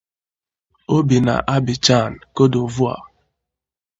O bi na Abidjan, Côte d'Ivoire.